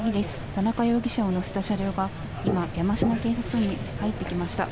田中容疑者を乗せた車両が今、山科警察署に入ってきました。